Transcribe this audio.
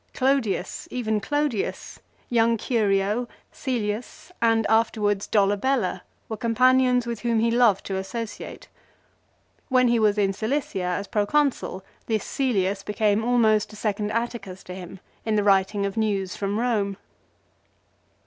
Clodius even Clodius, young Curio, Cselius and afterwards Dolabella were companions with whom he loved to associate. When he was in Cilicia, as Proconsul, this Cselius became almost a second Atticus to him, in the writing of news from Eome.